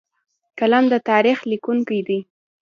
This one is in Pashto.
قلم د تاریخ لیکونکی دی